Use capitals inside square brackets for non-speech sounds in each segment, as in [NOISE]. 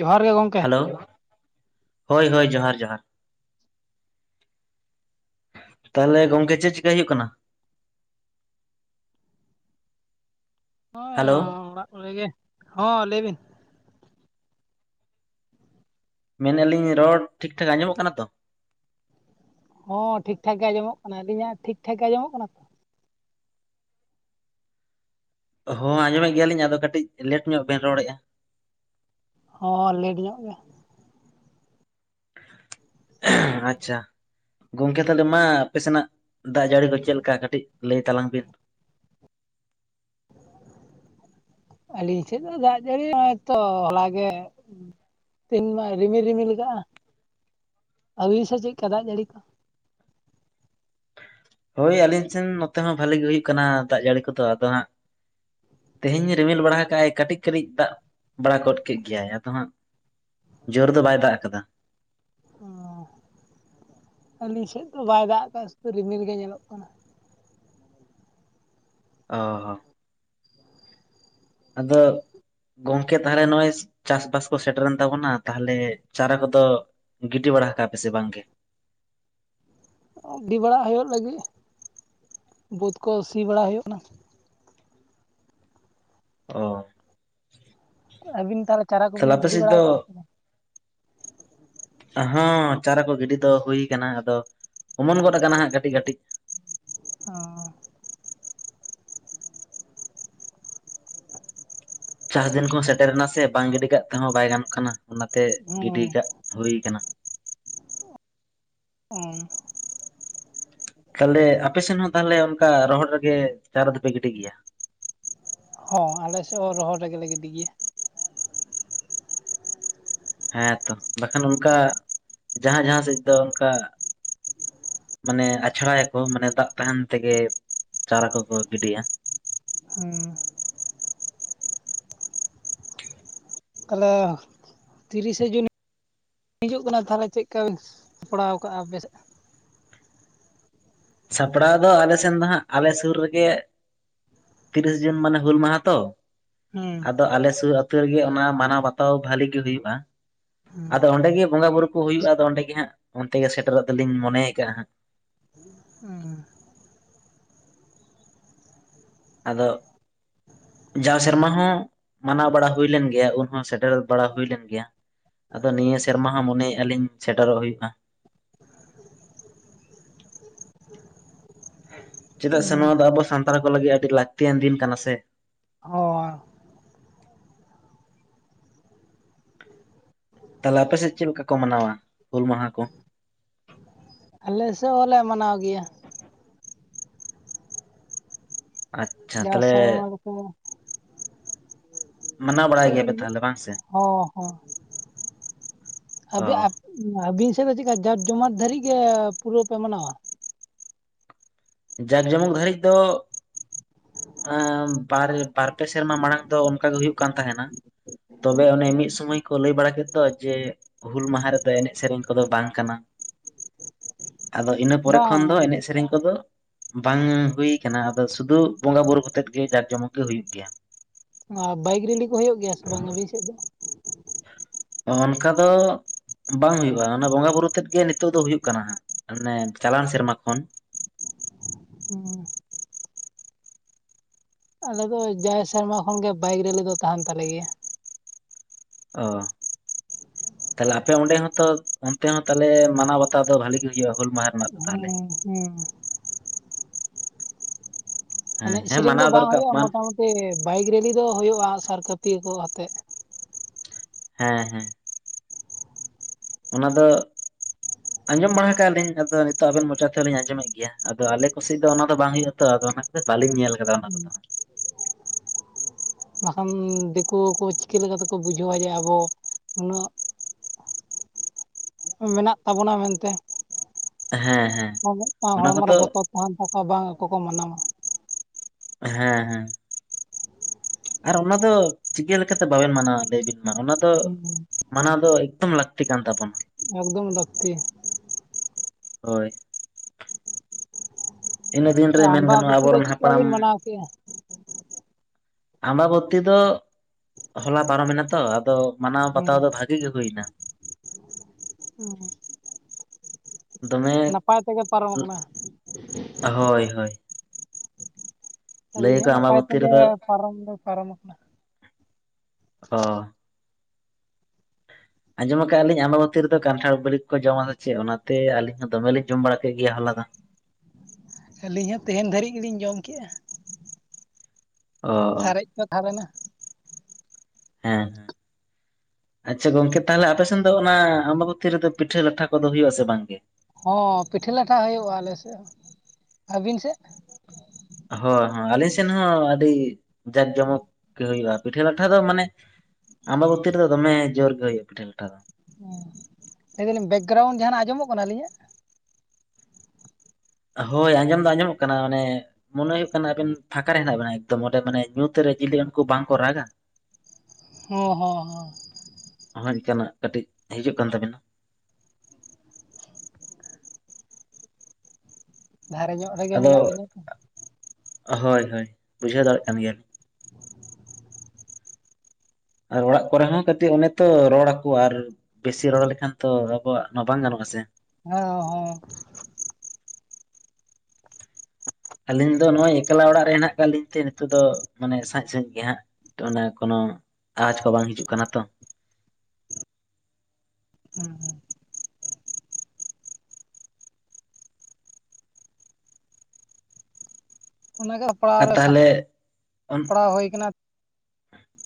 ᱡᱚᱦᱟᱨ ᱜᱮ ᱜᱚᱝ ᱦᱮᱞᱳ, ᱦᱳᱭ ᱦᱳᱭ ᱡᱚᱦᱟᱨ ᱡᱚᱦᱟᱨ᱾ ᱛᱟᱦᱞᱮ ᱜᱚᱝᱠᱮ ᱪᱮᱫ ᱪᱮᱠᱟᱹᱭ ᱦᱩᱭᱩᱜ ᱠᱟᱱᱟ? ᱦᱚᱸ, ᱦᱮᱞᱳ ᱚᱲᱟᱜ ᱠᱚᱨᱮ ᱜᱮ, ᱦᱚᱸ ᱞᱟᱹᱭ ᱵᱤᱱ᱾ ᱢᱮᱱᱮᱜ-ᱟ ᱞᱤᱧ ᱨᱚᱲ ᱴᱷᱤᱠ ᱴᱷᱟᱠ ᱟᱸᱡᱚᱢᱚᱜ ᱠᱟᱱᱟ ᱛᱚ? ᱦᱚᱸ ᱴᱷᱤᱠ ᱴᱷᱟᱠ ᱜᱮ ᱟᱸᱡᱚᱢᱚᱜ ᱠᱟᱱᱟ, ᱟᱹᱞᱤᱧᱟᱜ ᱴᱷᱤᱠ ᱴᱷᱟᱠ ᱜᱮ ᱟᱡᱚᱢᱚᱜ ᱠᱟᱱᱟ ᱛᱚ? ᱦᱚᱸ ᱟᱸᱡᱚᱢᱮᱜ ᱜᱮᱭᱟᱞᱤᱧ ᱟᱫᱚ ᱠᱟᱹᱴᱤᱡ ᱞᱮᱴ ᱧᱚᱜ ᱵᱮᱱ ᱨᱚᱲᱮᱜ-ᱟ᱾ ᱦᱚᱸ ᱞᱮᱴ ᱧᱚᱜ ᱜᱮ᱾ ᱟᱪᱪᱷᱟ᱾ ᱜᱚᱝᱠᱮ ᱛᱟᱦᱞᱮ ᱢᱟ ᱟᱯᱮ ᱥᱮᱱᱟᱜ ᱫᱟᱜ ᱡᱟᱹᱲᱤ ᱠᱚ ᱪᱮᱫ ᱞᱮᱠᱟ ᱠᱟᱹᱴᱤᱡ ᱞᱟᱹᱭ ᱛᱟᱞᱟᱝ ᱵᱤᱱ᱾ ᱟᱹᱞᱤᱧ ᱥᱮᱫ ᱫᱚ ᱫᱟᱜ ᱡᱟᱹᱲᱤ ᱦᱚᱸᱜ-ᱚᱭ ᱛᱚ ᱦᱚᱞᱟ ᱜᱮ ᱛᱤᱱ ᱢᱟᱭ ᱨᱤᱢᱤᱞ ᱨᱤᱢᱤᱞ ᱜᱟᱜ-ᱟ, ᱟᱹᱵᱤᱱ ᱥᱮᱡ ᱪᱮᱫᱠᱟ ᱫᱟᱜ ᱡᱟᱹᱲᱤ ᱠᱚ? ᱦᱳᱭ ᱟᱹᱞᱤᱧ ᱥᱮᱱ ᱱᱚᱛᱮ ᱦᱚᱸ ᱵᱷᱟᱹᱞᱤ ᱜᱮ ᱦᱩᱭᱩᱜ ᱠᱟᱱᱟ ᱫᱟᱜ ᱡᱟᱹᱲᱤ ᱠᱚᱫᱚ ᱟᱫᱚ ᱦᱟᱸᱜ ᱛᱤᱦᱤᱧ ᱨᱤᱢᱤᱞ ᱵᱟᱲᱟ ᱦᱟᱠᱟᱜ-ᱟᱭ ᱠᱟᱹᱴᱤᱡ-ᱠᱟᱹᱴᱤᱡ ᱫᱟᱜ ᱵᱟᱲᱟ ᱜᱚᱫ ᱠᱮᱫ ᱜᱮᱭᱟᱭ ᱟᱫᱚ ᱦᱟᱸᱜ ᱡᱳᱨ ᱫᱚ ᱵᱟᱭ ᱫᱟᱜ ᱟᱠᱟᱫᱟ᱾ ᱚᱸ, ᱟᱹᱞᱤᱧ ᱥᱮᱫ ᱫᱚ ᱵᱟᱭ ᱫᱟᱜ-ᱫᱟ ᱥᱩᱫᱩ ᱨᱤᱢᱤᱞ ᱜᱮ ᱧᱮᱞᱚᱜ ᱠᱟᱱᱟ᱾ ᱚ, ᱦᱚ᱾ ᱟᱫᱚ ᱜᱚᱝᱠᱮ ᱛᱟᱦᱞᱮ ᱱᱚᱜ-ᱚᱭ ᱪᱟᱥᱵᱟᱥ ᱠᱚ ᱥᱮᱴᱮᱨᱮᱱ ᱛᱟᱵᱚᱱᱟ ᱛᱟᱦᱞᱮ ᱪᱟᱨᱟ ᱠᱚᱫᱚ ᱜᱤᱰᱤ ᱵᱟᱲᱟ ᱦᱟᱠᱟᱜ-ᱟ ᱯᱮᱥᱮ ᱵᱟᱝᱜᱮ? ᱜᱤᱫᱤ ᱵᱟᱲᱟ ᱦᱩᱭᱩᱜ ᱞᱟᱹᱜᱤᱫ ᱵᱟᱹᱫᱽ ᱠᱚ ᱥᱤ ᱵᱟᱲᱟ ᱦᱩᱭᱩᱜ ᱠᱟᱱᱟ᱾ ᱚ᱾ ᱟᱹᱵᱤᱱ ᱛᱟᱦᱞᱮ ᱪᱟᱨᱟ ᱠᱚᱵᱤᱱ ᱟᱯᱮ ᱜᱤᱰᱤ ᱥᱮᱫ ᱫᱚ ᱵᱟᱲᱟ ᱠᱟᱜ-ᱟ ᱥᱮ ᱵᱟᱝ? ᱦᱚᱸ ᱪᱟᱨᱟ ᱠᱚ ᱜᱤᱰᱤ ᱫᱚ ᱦᱩᱭ ᱠᱟᱱᱟ ᱟᱫᱚ ᱚᱢᱚᱱ ᱜᱚᱫᱽ ᱟᱠᱟᱱᱟ ᱦᱟᱸᱜ ᱠᱟᱹᱴᱤᱡ ᱠᱟᱹᱴᱤᱡ᱾ ᱚᱸᱻ ᱪᱟᱥ ᱫᱤᱱ ᱠᱚᱦᱚᱸ ᱥᱮᱴᱮᱨᱮᱱᱟ ᱥᱮ ᱵᱟᱝ ᱜᱤᱰᱤ ᱠᱟᱜ ᱛᱮᱦᱚᱸ ᱵᱟᱭ ᱜᱟᱱᱚᱜ ᱠᱟᱱᱟ ᱚᱱᱟᱛᱮ ᱜᱤᱰᱤ ᱦᱚᱸ ᱠᱟᱜ ᱦᱩᱭ ᱟᱠᱟᱱᱟ᱾ ᱚᱸ᱾ ᱛᱟᱞᱮ ᱟᱯᱮᱥᱮᱱ ᱦᱚᱸ ᱛᱟᱦᱞᱮ ᱚᱱᱠᱟ ᱨᱚᱦᱚᱲ ᱨᱮᱜᱮ ᱪᱟᱨᱟ ᱫᱚᱯᱮ ᱜᱤᱰᱤ ᱜᱮᱭᱟ᱾ ᱦᱚᱸ ᱟᱞᱮ ᱥᱮᱫ ᱦᱚᱸ ᱨᱚᱦᱚᱲ ᱨᱮᱜᱮᱞᱮ ᱜᱤᱰᱤ ᱜᱮᱭᱟ᱾ ᱦᱮᱸᱛᱚ ᱵᱟᱠᱷᱟᱱ ᱚᱱᱠᱟ ᱡᱟᱦᱟᱸ ᱡᱟᱦᱟᱸ ᱥᱮᱫ ᱫᱚ ᱚᱝᱠᱟ ᱢᱟᱱᱮ ᱟᱪᱷᱲᱟᱭᱟᱠᱚ ᱢᱟᱱᱮ ᱫᱟᱜ ᱛᱟᱦᱮᱱ ᱛᱮᱜᱮ ᱪᱟᱨᱟ ᱠᱚᱠᱚ ᱜᱤᱰᱤᱭᱟ᱾ ᱦᱩᱸ ᱛᱟᱞᱮ ᱛᱤᱨᱤᱥᱮ ᱡᱩᱱ ᱦᱤᱡᱩᱜ ᱠᱟᱱᱟ ᱛᱷᱟᱞᱮ ᱪᱮᱫᱠᱟ ᱵᱤᱱ ᱥᱟᱯᱲᱟᱣ ᱠᱟᱜ-ᱟ ᱟᱯᱮ ᱥᱮᱫ ᱥᱟᱯᱲᱟᱣ ᱫᱚ ᱟᱞᱮ ᱥᱮᱱ ᱫᱚ ᱦᱟᱸᱜ ᱟᱞᱮ ᱥᱩᱨ ᱨᱮᱜᱮ ᱛᱤᱨᱤᱥ ᱡᱩᱱ ᱢᱟᱱᱮ ᱦᱩᱞ ᱢᱟᱦᱟ ᱛᱚ ᱦᱩᱸ ᱟᱫᱚ ᱟᱞᱮ ᱥᱩᱨ ᱟᱹᱛ ᱛᱟᱹ ᱜᱮ ᱚᱱᱟ ᱢᱟᱱᱟᱣ ᱵᱟᱛᱟᱣ ᱵᱷᱟᱹᱞᱤ ᱜᱮ ᱦᱩᱭᱩᱜ-ᱟ᱾ ᱦᱩᱸ ᱟᱫᱚ ᱚᱸᱰᱮ ᱜᱮ ᱵᱚᱸᱜᱟ ᱵᱩᱨᱩ ᱠᱚ ᱦᱩᱭᱩᱜ-ᱟ ᱟᱫᱚ ᱚᱸᱰᱮ ᱜᱮ ᱦᱟᱸᱜ ᱚᱱᱛᱮ ᱜᱮ ᱥᱮᱴᱮᱨᱚᱜ ᱫᱚᱞᱤᱧ ᱢᱚᱱᱮ ᱟᱠᱟᱜᱼᱟ ᱦᱟᱸᱜ᱾ ᱮᱸ ᱟᱫᱚᱜ ᱡᱟᱣ ᱥᱮᱨᱢᱟ ᱦᱚᱸ ᱢᱟᱱᱟᱣ ᱵᱟᱲᱟ ᱦᱩᱭ ᱞᱮᱱ ᱜᱮᱭᱟ ᱩᱱᱦᱚᱸ ᱥᱮᱴᱮᱨ ᱵᱟᱲᱟ ᱦᱩᱭ ᱞᱮᱱ ᱜᱮᱭᱟ᱾ ᱟᱫᱚ ᱱᱤᱭᱟᱹ ᱥᱮᱨᱢᱟ ᱦᱚᱸ ᱢᱚᱱᱮᱭᱮᱜ-ᱟ ᱞᱤᱧ ᱥᱮᱴᱮᱨᱚᱜ ᱦᱩᱭᱩᱜ ᱱᱟ ᱪᱮᱫᱟᱜ ᱥᱮ ᱦᱩᱸ ᱱᱚᱶᱟ ᱫᱚ ᱟᱵᱚ ᱥᱟᱱᱛᱟᱲ ᱠᱚ ᱞᱟᱹᱜᱤᱫ ᱟᱹᱰᱤ ᱞᱟᱹᱠᱛᱤᱭᱟᱱ ᱫᱤᱱ ᱠᱟᱱᱟ ᱥᱮ᱾ ᱚᱻ ᱛᱟᱞᱮ ᱟᱯᱮ ᱥᱮᱫ ᱪᱮᱫ ᱞᱮᱠᱟ ᱠᱚ ᱢᱟᱱᱟᱣᱟ ᱦᱩᱞ ᱢᱟᱦᱟ ᱠᱚ? ᱟᱞᱮ ᱥᱮᱫ ᱦᱚᱸᱞᱮ ᱢᱟᱱᱟᱣ ᱜᱮᱭᱟ᱾ ᱟᱪᱪᱷᱟ ᱡᱟᱣ ᱛᱟᱦᱚᱞᱮ ᱥᱮᱨᱢᱟ ᱞᱮᱠᱟ ᱢᱟᱱᱟᱣ ᱵᱟᱲᱟᱭ ᱜᱮᱭᱟᱯᱮ ᱪᱮᱫᱤᱱ ᱜᱮ ᱛᱟᱦᱚᱞᱮ ᱵᱟᱝ ᱥᱮ ᱦᱚᱸ ᱦᱚᱸ ᱚ ᱟᱵᱤ ᱟᱯ ᱟᱵᱤᱱ ᱥᱮᱫ ᱫᱚ ᱪᱤᱫᱠᱟ ᱡᱟᱠ ᱡᱚᱢᱟᱨ ᱫᱷᱟᱹᱨᱤᱡ ᱜᱮ ᱯᱩᱨᱟᱹ ᱯᱮ ᱢᱟᱱᱟᱣᱟ᱾ ᱡᱟᱠ ᱡᱚᱢᱚᱠ ᱜᱷᱟᱹᱲᱤᱡ ᱫᱚ ᱟ ᱵᱟᱨ ᱵᱟᱨᱯᱮ ᱥᱮᱨᱢᱟ ᱢᱟᱲᱟᱝ ᱫᱚ ᱚᱱᱠᱟ ᱜᱮ ᱦᱩᱭᱩᱜ ᱠᱟᱱ ᱛᱟᱦᱮᱱᱟ᱾ ᱛᱚᱵᱮ ᱚᱱᱮ ᱢᱤᱫ ᱥᱩᱢᱚᱭ ᱠᱚ ᱞᱟᱹᱭ ᱵᱟᱲᱟ ᱠᱮᱫ ᱫᱚ ᱡᱮ ᱦᱩᱞ ᱢᱟᱦᱟ ᱨᱮᱫᱚ ᱮᱱᱮᱡ ᱥᱮᱨᱮᱧ ᱠᱚᱫᱚ ᱵᱟᱝ ᱠᱟᱱᱟ᱾ ᱟᱫᱚ ᱤᱱᱟᱹ ᱯᱚᱨᱮ ᱠᱷᱚᱱ ᱵᱟᱝ ᱫᱚ ᱮᱱᱮᱡ-ᱥᱮᱨᱮᱧ ᱠᱚᱫᱚ ᱵᱟᱝ ᱦᱩᱭ ᱟᱠᱟᱱᱟ ᱟᱫᱚ ᱥᱩᱫᱩᱜ ᱵᱚᱸᱜᱟ ᱵᱩᱨᱩ ᱠᱚᱛᱮᱛ ᱜᱮ ᱡᱟᱠ ᱡᱚᱢᱚᱠ ᱫᱚ ᱦᱩᱭᱩᱜ ᱜᱮᱭᱟ᱾ ᱟ ᱵᱟᱭᱤᱠ ᱨᱮᱞᱤ ᱠᱚ ᱦᱩᱭᱩᱜ ᱜᱮᱭᱟ ᱥᱮ ᱵᱟᱝ ᱟᱹᱵᱤᱱ ᱥᱮᱫ ᱫᱚ? ᱚᱱᱠᱟ ᱫᱚ ᱵᱟᱝ ᱦᱩᱭᱩᱜ-ᱟ ᱚᱱᱟ ᱵᱚᱸᱜᱟ ᱵᱩᱨᱩ ᱛᱮᱫ ᱜᱮ ᱱᱤᱛᱚᱜ ᱫᱚ ᱦᱩᱭᱩᱜ ᱠᱟᱱᱟ ᱦᱟᱸᱜ ᱢᱟᱱᱮ ᱪᱟᱞᱟᱣ ᱮᱱ ᱥᱮᱨᱢᱟ ᱠᱷᱚᱱ᱾ ᱦᱩᱸ ᱟᱞᱮ ᱫᱚ ᱡᱟᱭ ᱥᱮᱨᱢᱟ ᱠᱷᱚᱱᱜᱮ ᱵᱟᱭᱤᱠ ᱨᱮᱞᱤ ᱫᱚ ᱛᱟᱦᱮᱱ ᱛᱟᱞᱮ ᱜᱮᱭᱟ᱾ ᱚ ᱛᱟᱦᱞᱮ ᱟᱯᱮ ᱚᱸᱰᱮ ᱦᱚᱸᱛᱚ ᱚᱱᱛᱮ ᱦᱚᱸ ᱛᱟᱞᱮ ᱢᱟᱱᱟᱣ ᱵᱟᱛᱟᱣ ᱫᱚ ᱵᱷᱟᱹᱞᱤ ᱜᱮ ᱦᱩᱭᱩᱜ-ᱟ ᱦᱩᱞ ᱢᱟᱦᱟᱸ ᱾ ᱦᱩᱸ ᱦᱮᱸ ᱦᱮᱸ ᱮᱱᱮᱡ ᱦᱮᱸ ᱥᱮᱨᱮᱧ ᱫᱚ ᱢᱟᱱᱟᱣ ᱵᱟᱝ ᱫᱚᱨᱠᱟᱨ ᱦᱩᱭᱩᱜ-ᱟ ᱢᱟᱱ ᱢᱚᱴᱟ-ᱢᱩᱴᱤ ᱵᱟᱭᱤᱠ ᱨᱮᱞᱤ ᱫᱚ ᱦᱩᱭᱩᱜ-ᱟ ᱟᱜ-ᱥᱟᱨ ᱠᱟᱹᱯᱤ ᱠᱚ ᱟᱛᱮᱫ᱾ ᱦᱮᱸ ᱦᱮᱸ ᱚᱱᱟ ᱫᱚ ᱟᱸᱡᱚᱢ ᱵᱟᱲᱟ ᱟᱠᱟᱫᱼᱟ ᱞᱤᱧ ᱟᱫᱚ ᱱᱤᱛᱚᱜ ᱟᱵᱮᱱ ᱢᱚᱪᱟ ᱛᱮᱦᱚᱸ ᱞᱤᱧ ᱟᱸᱡᱚᱢᱮᱫ ᱜᱮᱭᱟ ᱟᱫᱚ ᱟᱞᱮ ᱠᱚᱥᱮᱜ ᱫᱚ ᱚᱱᱟ ᱫᱚ ᱵᱟᱝ ᱦᱩᱭᱩᱜᱼᱟ ᱛᱚ ᱟᱫᱚ ᱱᱟᱦᱟᱜ ᱥᱮ ᱵᱟᱹᱞᱤᱧ ᱧᱮᱞ ᱟᱠᱟᱫᱟ ᱚᱱᱟ᱾ ᱠᱚᱫᱚ ᱦᱩᱸ ᱵᱟᱠᱷᱟᱱ ᱫᱤᱠᱩ ᱠᱚ ᱪᱤᱠᱟᱹ ᱞᱮᱠᱟ ᱛᱮᱠᱚ ᱵᱩᱡᱷᱟᱹᱣᱟ ᱡᱮ ᱟᱵᱚ ᱩᱱᱟᱹᱜ ᱢᱮᱱᱟᱜ ᱛᱟᱵᱚᱱᱟ ᱢᱮᱱᱛᱮ ᱦᱮᱸ ᱦᱮᱸ ᱢᱤᱫᱴᱟᱱ ᱚᱱᱟ ᱦᱚᱲᱢᱚ ᱠᱚᱫᱚ ᱨᱮ ᱵᱚᱛᱚᱨ ᱟᱱ ᱠᱟᱛᱷᱟ ᱵᱟᱝ ᱟᱠᱚ ᱠᱚ ᱢᱟᱱᱟᱣᱟ᱾ ᱦᱮᱸ ᱦᱮᱸ᱾ ᱟᱨ ᱚᱱᱟ ᱫᱚ ᱪᱤᱠᱟᱹ ᱞᱮᱠᱟᱛᱮ ᱵᱟᱵᱮᱱ ᱢᱟᱱᱟᱣ-ᱟ ᱞᱟᱹᱭᱵᱤᱱ ᱢᱟ ᱚᱱᱟ ᱫᱚ ᱦᱮᱸ ᱢᱟᱱᱟᱣ ᱫᱚ ᱮᱠᱫᱚᱢ ᱞᱟᱹᱠᱛᱤ ᱠᱟᱱ ᱛᱟᱵᱚᱱ᱾ ᱮᱠᱫᱚᱢ ᱞᱟᱹᱠᱛᱤ᱾ ᱦᱳᱭ᱾ ᱤᱱᱟᱹ ᱫᱤᱱᱨᱮ ᱢᱮᱱ ᱜᱟᱱᱚᱜᱼᱟ ᱟᱢᱵᱟᱵᱚᱛᱤ ᱫᱚ ᱟᱵᱚᱨᱮᱱ ᱪᱮᱫᱠᱟ ᱦᱟᱯᱲᱟᱢ ᱵᱤᱱ ᱢᱟᱱᱟᱣ ᱠᱮᱜᱼᱟ ᱟᱢᱵᱟᱵᱚᱛᱤ ᱫᱚ ᱦᱚᱞᱟ ᱯᱟᱨᱚᱢ ᱮᱱᱟ ᱛᱚ ᱟᱫᱚ ᱢᱟᱱᱟᱣ ᱵᱟᱛᱟᱣ ᱦᱮᱸ ᱫᱚ ᱵᱷᱟᱜᱤ ᱜᱮ ᱦᱩᱭᱱᱟ᱾ [UNINTELLIGIBLE] ᱫᱚᱢᱮ ᱱᱟᱯᱟᱭ ᱛᱮᱜᱮ ᱯᱟᱨᱚᱢ ᱟᱠᱟᱱᱟ᱾ ᱦᱳᱭ ᱦᱳᱭ᱾ ᱟᱹᱞᱤᱧ ᱞᱟᱹᱭᱟᱠᱚ ᱦᱚᱸ ᱱᱟᱯᱟᱭ ᱟᱢᱵᱟᱵᱚᱛᱤ ᱛᱮᱜᱮ ᱨᱮᱫᱚ ᱯᱟᱨᱚᱢ ᱫᱚ ᱯᱟᱨᱚᱢ ᱟᱠᱟᱱᱟ᱾ ᱚ᱾ ᱟᱸᱡᱚᱢ ᱟᱠᱟᱼᱟᱞᱤᱧ ᱟᱢᱵᱟᱵᱚᱹᱛᱤ ᱨᱮᱫᱚ ᱠᱟᱱᱴᱷᱟᱲ ᱵᱤᱞᱤ ᱠᱚ ᱡᱚᱢᱟ ᱥᱟ ᱪᱮᱫ ᱚᱱᱟᱛᱮ ᱟᱹᱞᱤᱧ ᱦᱚᱸ ᱫᱚᱢᱮ ᱞᱤᱧ ᱡᱚᱢ ᱵᱟᱲᱟ ᱠᱮᱫ ᱜᱮᱭᱟ ᱦᱚᱞᱟ ᱫᱚ᱾ ᱟᱹᱞᱤᱧ ᱦᱚᱸ ᱛᱮᱦᱮᱧ ᱫᱷᱟᱹᱨᱤᱡ ᱜᱮᱞᱤᱧ ᱡᱚᱢ ᱠᱮᱜᱼᱟ᱾ ᱚ᱾ [UNINTELLIGIBLE] ᱦᱮᱸ ᱦᱮᱸ᱾ ᱟᱪᱪᱷᱟ ᱜᱚᱝᱠᱮ ᱛᱟᱦᱚᱞᱮ ᱟᱯᱮ ᱥᱮᱫ ᱫᱚ ᱚᱱᱟ ᱟᱢᱵᱟ ᱵᱩᱛᱷᱤ ᱨᱮᱫᱚ ᱯᱤᱴᱷᱟᱹ ᱞᱟᱴᱷᱟ ᱠᱚᱫᱚ ᱦᱩᱭᱩᱜ ᱟ ᱥᱮ ᱵᱟᱝ ᱜᱮ? ᱦᱚᱸ ᱯᱤᱴᱷᱟᱹ ᱞᱟᱴᱷᱟ ᱦᱩᱭᱩᱜᱼᱟ ᱟᱞᱮ ᱥᱮᱫ ᱦᱚ᱾ ᱟᱹᱵᱤᱱ ᱥᱮᱫ? ᱦᱚ ᱦᱚ ᱟᱞᱮ ᱥᱮᱫ ᱦᱚᱸ ᱟᱹᱰᱤ ᱡᱟᱠ-ᱡᱚᱢᱚᱠ ᱜᱮ ᱦᱩᱭᱩᱜᱼᱟ᱾ ᱯᱤᱴᱷᱟ ᱞᱟᱴᱷᱟ ᱫᱚ ᱢᱟᱱᱮ ᱟᱢᱵᱟᱵᱚᱛᱤ ᱨᱮ ᱫᱚ ᱫᱚᱢᱮ ᱡᱳᱨ ᱜᱮ ᱦᱚᱭᱳᱜ ᱯᱤᱴᱟᱹ ᱞᱟᱴᱷᱟ ᱫᱚ᱾ ᱦᱩᱸ ᱞᱟᱹᱭ ᱫᱟᱞᱤᱧ ᱵᱮᱠᱜᱨᱟᱣᱩᱱᱰ ᱡᱟᱦᱟᱸ ᱱᱟᱜ ᱟᱸᱡᱚᱢᱚᱜ ᱠᱟᱱᱟ ᱟᱹᱞᱤᱧᱟᱜ? ᱦᱳᱭ ᱟᱸᱡᱚᱢ ᱫᱚ ᱟᱸᱡᱚᱢᱚᱜ ᱠᱟᱱᱟ ᱚᱱᱮ ᱢᱚᱱᱮ ᱦᱚᱭᱳᱜ ᱠᱟᱱᱟ ᱟᱵᱮᱱ ᱯᱷᱟᱸᱠᱟ ᱨᱮ ᱦᱮᱱᱟᱜ ᱵᱤᱱᱟ, ᱮᱠᱫᱚᱢ ᱚᱸᱰᱮ ᱢᱟᱱᱮ ᱧᱩᱛ ᱨᱮ ᱪᱤᱞᱤ ᱩᱱᱠᱩ ᱵᱟᱝ ᱠᱚ ᱨᱟᱜᱟ᱾ [INAUDIBLE] ᱦᱚᱸ ᱦᱚᱸ ᱦᱚᱸ᱾ ᱦᱳᱭᱚᱱᱠᱟᱱᱟᱜ ᱠᱟᱴᱤᱡ ᱦᱤᱡᱩᱜ ᱠᱟᱱ ᱛᱟᱵᱤᱱᱟ᱾ ᱫᱷᱟᱨᱮ ᱧᱚᱜ ᱨᱮᱜᱮ ᱟᱫᱚ ᱢᱮᱱᱟᱜ ᱞᱤᱧᱟᱹ ᱛᱚ ᱦᱳᱭ ᱦᱳᱭ ᱵᱩᱡᱷᱟᱹᱣ ᱫᱟᱲᱮᱭᱟᱜ ᱠᱟᱱ ᱜᱮᱭᱟᱢ᱾ ᱟᱨ ᱚᱲᱟᱜ ᱠᱚᱨᱮ ᱦᱚᱸ ᱠᱟᱹᱴᱤᱡ ᱚᱱᱮ ᱛᱚ ᱨᱚᱲ ᱟᱠᱩ ᱟᱨ ᱵᱮᱥᱤ ᱨᱚᱲ ᱞᱮᱠᱷᱟᱱ ᱛᱚ ᱟᱵᱚᱣᱟᱜ ᱚᱱᱟ ᱵᱟᱝ ᱜᱟᱱᱚᱜᱼᱟ ᱥᱮ᱾ [UNINTELLIGIBLE] ᱟᱹᱞᱤᱧ ᱫᱚ ᱱᱚᱜᱼᱚᱭ ᱮᱠᱞᱟ ᱚᱲᱟᱜ ᱨᱮ ᱦᱮᱱᱟᱜ ᱠᱟᱜ ᱞᱤᱧ ᱛᱮ ᱱᱤᱛᱚᱜ ᱫᱚ ᱢᱟᱱᱮ ᱥᱟᱸᱡ ᱥᱟᱺᱦᱤᱡ ᱜᱮ ᱦᱟᱸᱜ᱾ ᱚᱱᱟ ᱠᱚᱱᱚ ᱟᱣᱟᱡᱽ ᱠᱚ ᱵᱟᱝ ᱦᱤᱡᱩᱜ ᱠᱟᱱᱟ ᱛᱚ᱾ ᱦᱩᱸ ᱦᱩᱸ᱾ ᱚᱱᱟᱜᱮ ᱦᱟᱯᱲᱟᱣ ᱟᱨ ᱨᱮ ᱛᱟᱦᱚᱞᱮ ᱦᱮᱸ ᱥᱟᱯ-ᱯᱲᱟᱣ ᱦᱳᱭ ᱠᱟᱱᱟ᱾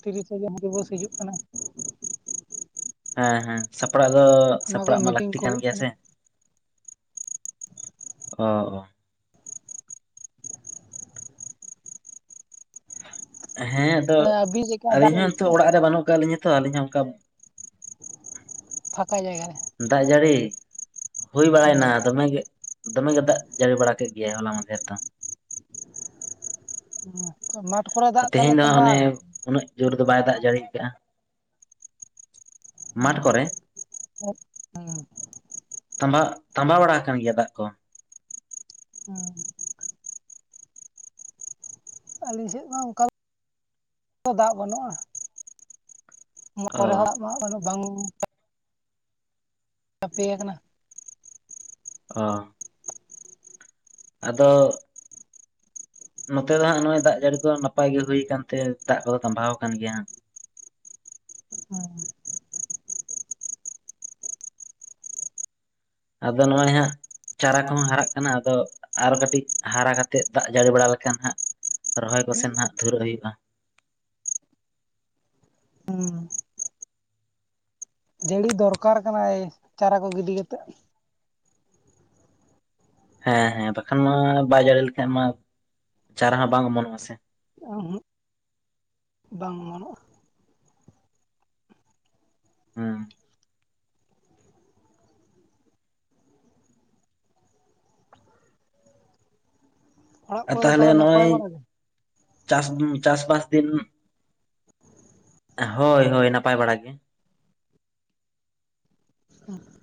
ᱛᱤᱨᱤᱥᱟ [UNINTELLIGIBLE] ᱫᱤᱵᱚᱥ ᱦᱤᱡᱩᱜ ᱠᱟᱱᱟ᱾ ᱦᱮᱸ ᱦᱮᱸ᱾ ᱥᱟᱯᱲᱟᱜ ᱫᱚ ᱚᱱᱟ ᱠᱚ ᱥᱟᱯᱲᱟᱜ ᱢᱟ ᱢᱤᱴᱤᱝ ᱞᱟᱹᱠᱛᱤ ᱠᱚ ᱠᱟᱱ ᱦᱩᱭᱩᱜ ᱜᱮᱭᱟ ᱠᱟᱱᱟ ᱥᱮ᱾ ᱚ ᱚ᱾ ᱦᱮᱸ ᱟᱫᱚ ᱛᱟᱦᱞᱮ ᱟᱹᱵᱤᱱ ᱪᱮᱫᱠᱟ ᱫᱟᱜ ᱟᱹᱞᱤᱧ ᱦᱚᱸ ᱡᱟᱹᱲᱤ ᱱᱤᱛᱚᱜ ᱠᱮᱜᱼᱟ ᱚᱲᱟᱜ ᱨᱮ ᱵᱟᱱᱩᱜ ᱟᱠᱟᱫ ᱞᱤᱧᱟ ᱛᱚ ᱟᱞᱤᱧ ᱦᱚᱸ ᱚᱱᱠᱟ ᱯᱷᱟᱸᱠᱟ ᱡᱟᱭᱜᱟ ᱨᱮ᱾ ᱫᱟᱜ ᱡᱟᱲᱤ᱾ ᱦᱩᱭ ᱵᱟᱲᱟᱭᱱᱟ ᱫᱚᱢᱮ ᱜᱮ᱾ ᱫᱚᱢᱮ ᱜᱮ ᱫᱟᱜ ᱡᱟᱲᱤ ᱵᱟᱲᱟ ᱠᱮᱫ ᱜᱮᱭᱟᱭ ᱦᱚᱞᱟ ᱢᱟᱫᱷᱮᱨ ᱫᱚ᱾ ᱢᱟᱴ ᱠᱚᱨᱮ ᱫᱟᱜ ᱛᱟᱦᱞᱮ ᱛᱮᱦᱮᱧ ᱫᱚ ᱛᱚᱵᱟ ᱚᱱᱮ ᱟᱠᱟᱱᱟ? ᱩᱱᱟᱹᱜ ᱡᱳᱨ ᱫᱚ ᱵᱟᱭ ᱫᱟᱜ ᱡᱟᱲᱤ ᱟᱠᱟᱜᱼᱟ ᱾ ᱢᱟᱴᱷ ᱠᱚᱨᱮ? ᱦᱩᱸ ᱾ ᱛᱟᱢᱵᱟ ᱛᱟᱸᱵᱟᱣ ᱵᱟᱲᱟ ᱟᱠᱟᱱ ᱜᱮᱭᱟ ᱫᱟᱜ ᱠᱚ ᱾ ᱦᱩᱸ ᱾ ᱟᱹᱞᱤᱧ ᱥᱮᱫ ᱢᱟ ᱚᱱᱠᱟ ᱫᱟᱜ ᱵᱟᱱᱩᱜᱼᱟ ᱾ ᱚᱱᱟ ᱚ ᱠᱚᱨᱮ ᱦᱚᱸ ᱫᱟᱜ ᱢᱟ ᱵᱟᱝ ᱪᱟᱯᱮ ᱭᱟᱠᱟᱱᱟ ᱾ ᱚ ᱾ ᱟᱫᱚ ᱱᱚᱛᱮ ᱫᱚ ᱦᱟᱸᱜ ᱱᱚᱜᱼᱚᱭ ᱫᱟᱜ ᱡᱟᱲᱤ ᱠᱚ ᱱᱟᱯᱟᱭ ᱜᱮ ᱦᱩᱭ ᱠᱟᱱ ᱛᱮ ᱫᱟᱜ ᱠᱚᱫᱚ ᱛᱟᱢᱵᱟᱣ ᱟᱠᱟᱱ ᱜᱮᱭᱟ ᱦᱟᱸᱜ ᱾ ᱦᱩᱸ ᱾ ᱟᱫᱚ ᱱᱚᱜᱼᱚᱭ ᱦᱟᱸᱜ? ᱪᱟᱨᱟ ᱠᱚᱦᱚ ᱦᱟᱨᱟᱜ ᱠᱟᱱᱟ ᱟᱫᱚ ᱟᱨ ᱠᱟᱴᱤᱡ ᱦᱟᱨᱟ ᱠᱟᱛᱮᱜ ᱫᱟᱜ ᱡᱟᱲᱤ ᱵᱟᱲᱟ ᱞᱮᱠᱷᱟᱱ ᱦᱟᱸᱜ ᱨᱚᱦᱚᱭ ᱠᱚᱥᱮᱱ ᱦᱟᱜ ᱫᱷᱩᱨᱟᱹᱜ ᱦᱩᱭᱩᱜᱼᱟ ᱾ ᱦᱩᱸ ᱾ ᱡᱟᱹᱲᱤ ᱫᱚᱨᱠᱟᱨ ᱠᱟᱱᱟᱭ ᱪᱟᱨᱟ ᱠᱚ ᱜᱤᱰᱤ ᱠᱟᱛᱮᱫ ᱾ ᱦᱮᱸ ᱦᱮᱸ ᱵᱟᱠᱷᱟᱱ ᱢᱟ ᱵᱟᱭ ᱡᱟᱲᱤ ᱞᱮᱠᱷᱟᱡ ᱢᱟ ᱪᱟᱨᱟ ᱦᱚᱸ ᱵᱟᱝ ᱚᱢᱚᱱᱚᱜᱼᱟ ᱥᱮ ᱾ ᱩᱸ-ᱦᱩᱜ ᱵᱟᱝ ᱚᱢᱚᱱᱚᱜᱼᱟ ᱾ ᱦᱩᱸ ᱾ ᱚᱲᱟᱜ ᱟᱨ ᱠᱚᱨᱮ ᱫᱚ ᱛᱟᱦᱞᱮ ᱛᱟᱦᱚᱞᱮ ᱱᱟᱯᱟᱭ ᱱᱚᱜᱼᱚᱭ ᱵᱟᱲᱟ ᱜᱮ ᱪᱟᱥ ᱪᱟᱥᱵᱟᱥ ᱫᱤᱱ ᱦᱳᱭ ᱦᱳᱭ ᱱᱟᱯᱟᱭ ᱵᱟᱲᱟ ᱜᱮ ᱾ [UNINTELLIGIBLE]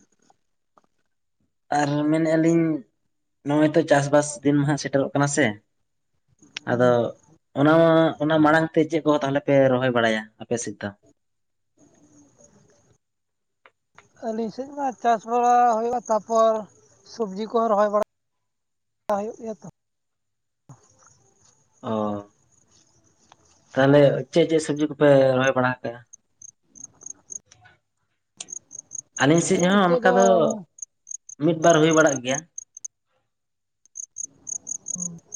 ᱟᱨ ᱢᱮᱱᱮᱜᱼᱟ ᱞᱤᱧ, ᱱᱚᱜᱼᱚᱭ ᱛᱚ ᱪᱟᱥᱵᱟᱥ ᱫᱤᱱ ᱢᱟ ᱦᱟᱜ ᱥᱮᱴᱮᱨᱚᱜ ᱠᱟᱱᱟ ᱥᱮ ᱟᱫᱚ ᱚᱱᱟ ᱚᱱᱟ ᱢᱟᱲᱟᱝ ᱛᱮ ᱪᱮᱫ ᱠᱚ ᱛᱟᱦᱞᱮ ᱯᱮ ᱨᱚᱦᱚᱭ ᱵᱟᱲᱟᱭᱟ ᱟᱯᱮ ᱥᱮᱫ ᱫᱚ? [UNINTELLIGIBLE] ᱟᱹᱞᱤᱧ ᱥᱮᱫ ᱢᱟ ᱪᱟᱥ ᱵᱟᱲᱟ ᱦᱳᱭ ᱱᱟ ᱛᱟᱯᱚᱨ ᱥᱚᱵᱽᱡᱤ ᱠᱚᱚᱸ ᱨᱚᱦᱚᱭ ᱵᱟᱲᱟ ᱦᱩᱭᱩᱜ ᱜᱮᱭᱟ ᱛᱚ ᱾ ᱚ ᱾ ᱛᱟᱦᱚᱞᱮ ᱪᱮᱫ ᱪᱮᱫ ᱥᱚᱵᱽᱡᱤ ᱠᱚᱯᱮ ᱨᱚᱦᱚᱭ ᱵᱟᱲᱟ ᱟᱠᱟᱜᱼᱟ? ᱟᱹᱞᱤᱧ ᱥᱮᱫ ᱦᱚᱸ ᱚᱱᱠᱟ ᱫᱚ ᱢᱤᱫ ᱵᱟᱨ ᱦᱩᱭ ᱵᱟᱲᱟᱜ ᱜᱮᱭᱟ ᱾ [UNINTELLIGIBLE]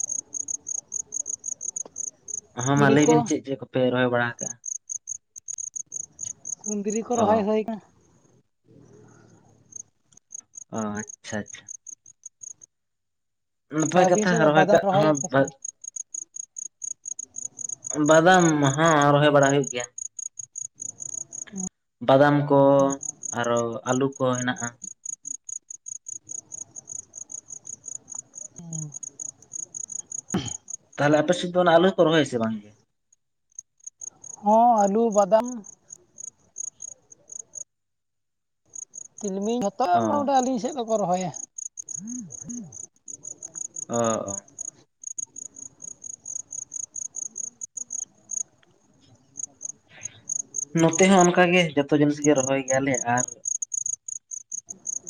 ᱦᱚᱸ ᱢᱟ ᱫᱷᱤᱨᱤ ᱞᱟᱹᱭ ᱠᱚ ᱵᱤᱱ ᱪᱮᱫ ᱪᱮᱫ ᱠᱚᱯᱮ ᱨᱚᱦᱚᱭ ᱵᱟᱲᱟ ᱠᱟᱜᱼᱟ? ᱠᱩᱸᱫᱽᱨᱤ ᱠᱚ ᱨᱚᱦᱚᱭ ᱦᱳᱭ ᱱᱟ ᱾ ᱚ ᱟᱪᱪᱷᱟ ᱟᱪᱪᱷᱟ ᱾ ᱱᱟᱯᱟᱭ ᱟᱹᱵᱤᱱ ᱠᱟᱛᱷᱟ, ᱥᱮᱫ ᱫᱚ ᱨᱚᱦᱚᱭ ᱵᱟᱫᱟᱢ ᱠᱟᱜ ᱦᱚᱸ ᱨᱚᱦᱚᱭᱮᱫ ᱯᱮ ᱥᱮ ᱵᱟᱝ? ᱵᱟᱫᱟᱢ, ᱦᱚᱸ ᱨᱚᱦᱚᱭ ᱵᱟᱲᱟ ᱦᱩᱭᱩᱜ ᱜᱮᱭᱟ ᱾ ᱵᱟᱫᱟᱢ ᱠᱚ, ᱟᱨᱚ ᱟᱹᱞᱩ ᱠᱚ ᱦᱮᱱᱟᱜᱼᱟ ᱾ ᱛᱟᱦᱞᱮ ᱟᱯᱮ ᱥᱮᱫ ᱫᱚ ᱚᱱᱟ ᱟᱞᱩ ᱦᱚᱸ ᱠᱚ ᱨᱚᱦᱭᱟ ᱥᱮ ᱵᱟᱝ? ᱦᱚᱸ ᱟᱹᱞᱩ, ᱵᱟᱫᱟᱢ, ᱛᱤᱞᱢᱤᱧ, ᱡᱷᱚᱛᱚ ᱜᱮ ᱚ ᱢᱚᱴᱟᱢᱚᱴᱤ ᱟᱹᱞᱤᱧ ᱥᱮᱫ ᱫᱚᱠᱚ ᱨᱚᱦᱚᱭᱟ ᱾ ᱚ ᱚ ᱾ ᱱᱚᱛᱮ ᱦᱚᱸ ᱚᱱᱠᱟ ᱜᱮ ᱡᱚᱛᱚ ᱡᱤᱱᱤᱥ ᱜᱮ ᱨᱚᱦᱚᱭ ᱜᱮᱭᱟᱞᱮ, ᱟᱨ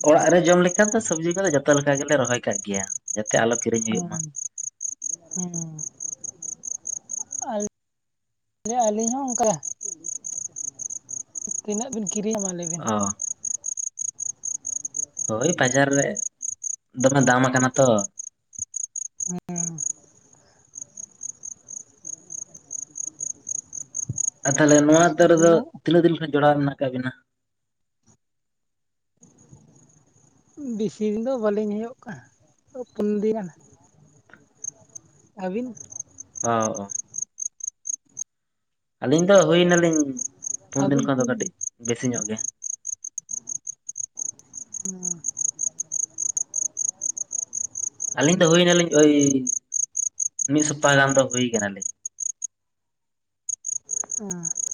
ᱚᱲᱟᱜ ᱨᱮ ᱡᱚᱢ ᱞᱮᱠᱟ ᱫᱚ ᱥᱚᱵᱽᱡᱤ ᱠᱚᱫᱚ ᱡᱚᱛᱚ ᱞᱮᱠᱟ ᱜᱮᱞᱮ ᱨᱚᱦᱚᱭ ᱠᱟᱜ ᱜᱮᱭᱟ ᱡᱟᱛᱮ ᱟᱞᱚ ᱠᱤᱨᱤᱧ ᱦᱩᱭᱩᱜ ᱢᱟ ᱦᱩᱸ ᱾ ᱦᱩᱸ ᱟᱞᱮ ᱟᱹᱞᱤᱧ ᱦᱚᱸ ᱚᱱᱠᱟ᱾ ᱛᱤᱱᱟᱹᱜ ᱵᱤᱱ ᱠᱤᱨᱤᱧᱟ ᱢᱟ ᱟᱞᱟᱹᱭ ᱵᱤᱱ᱾ ᱚ ᱦᱳᱭ ᱵᱟᱡᱟᱨ ᱨᱮ ᱫᱚᱢᱮ ᱫᱟᱢ ᱟᱠᱟᱱᱟ ᱛᱚ᱾ ᱟᱨ ᱛᱟᱦᱚᱞᱮ ᱱᱚᱣᱟ ᱫᱷᱟᱨᱮ ᱫᱚ ᱵᱩᱞᱩᱝ ᱛᱤᱱᱟᱹᱜ ᱫᱤᱱ ᱠᱷᱱᱟᱜ ᱡᱚᱲᱟᱣ ᱢᱮᱱᱟᱜ ᱟᱠᱟᱟᱜ ᱵᱮᱱᱟ᱾ ᱵᱤᱥᱤ ᱫᱤᱱ ᱫᱚ ᱵᱟᱹᱞᱤᱧ ᱦᱩᱭᱩᱜ ᱠᱟᱱᱟ ᱯᱩᱱ ᱫᱤᱱ ᱜᱟᱱ᱾ ᱟᱹᱵᱤᱱ ᱚ ᱻᱚ ᱟᱹᱞᱤᱧ ᱫᱚ ᱦᱩᱭ ᱱᱟᱞᱤᱧ ᱯᱩᱱ ᱫᱤᱱ ᱟᱹᱵᱤᱱ ᱠᱷᱚᱱ ᱫᱚ ᱛᱤᱱ ᱠᱟᱹᱴᱤᱡ ᱵᱮᱥᱤ ᱧᱚᱜ ᱜᱮ᱾ [UNINTELLIGIBLE] ᱟᱹᱞᱤᱧ ᱫᱚ ᱦᱩᱭ ᱱᱟᱞᱤᱧ ᱳᱭ ᱢᱤᱫ ᱥᱚᱯᱛᱟᱦᱚ ᱜᱟᱱ ᱫᱚ ᱦᱩᱭ ᱠᱟᱱᱟᱞᱤᱧ᱾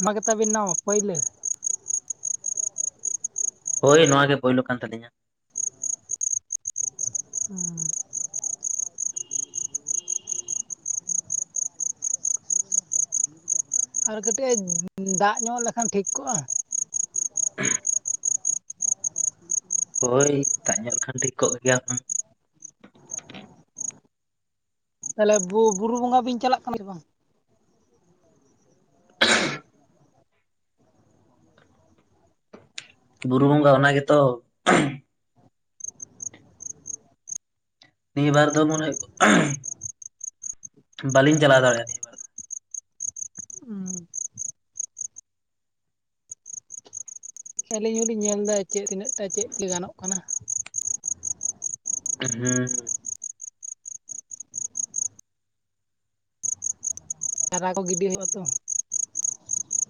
ᱱᱚᱣᱟ ᱜᱮᱛᱟᱵᱤᱱ ᱱᱟᱣᱟ ᱯᱚᱭᱞᱚ᱾ ᱦᱳᱭ ᱱᱚᱶᱟ ᱜᱮ ᱯᱳᱭᱞᱳ ᱠᱟᱱ ᱛᱟᱹᱞᱤᱧᱟ᱾ ᱩᱸ ᱟᱨ ᱠᱟᱹᱴᱤᱡ ᱫᱟᱜ ᱧᱚᱜ ᱞᱮᱠᱷᱟᱱ ᱴᱷᱤᱠ ᱠᱚᱜᱼᱟ᱾ [UNINTELLIGIBLE] ᱦᱳᱭ ᱫᱟᱜ ᱧᱚᱜ ᱞᱮᱠᱷᱟᱱ ᱴᱷᱤᱠ ᱠᱚᱜ ᱜᱮᱭᱟ᱾ ᱛᱟᱦᱚᱞᱮ ᱵᱩ ᱵᱩᱨᱩ ᱵᱚᱸᱜᱟ ᱵᱤᱱ ᱪᱟᱞᱟᱜ ᱠᱟᱱᱟ ᱥᱮ ᱵᱟᱝ᱾ ᱵᱩᱨᱩ ᱜᱚᱸᱜᱟ ᱚᱱᱟ ᱜᱮᱛᱚ᱾ ᱱᱤᱭᱟᱹ ᱵᱟᱨ ᱫᱚ ᱢᱚᱱᱮ ᱵᱟᱞᱤᱧ ᱪᱟᱞᱟᱣ ᱫᱟᱲᱮᱭᱟᱜᱼᱟ᱾ ᱵᱟᱨ ᱫᱚ ᱟᱹᱞᱤᱧ ᱦᱚᱞᱤᱧ ᱧᱮᱞ ᱫᱟ ᱪᱮᱫ ᱛᱤᱱᱟᱹᱜ ᱴᱟ ᱪᱮᱫ ᱛᱮ ᱜᱟᱱᱚᱜ ᱠᱟᱱᱟ᱾ ᱦᱩᱸ ᱪᱟᱨᱟ ᱠᱚ ᱜᱤᱰᱤ ᱦᱩᱣᱩᱜ ᱟᱛᱚ᱾